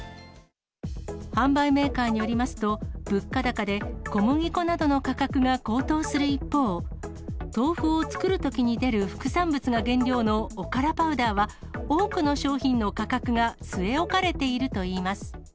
販売メーカーによりますと、物価高で小麦粉などの価格が高騰する一方、豆腐を作るときに出る副産物が原料のおからパウダーは、多くの商品の価格が据え置かれているといいます。